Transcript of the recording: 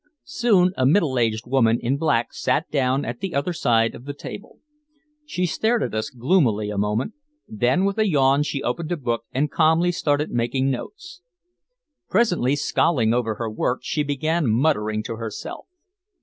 Soon a middle aged woman in black sat down at the other side of the table. She stared at us gloomily a moment; then with a yawn she opened a book and calmly started making notes. Presently, scowling over her work, she began muttering to herself.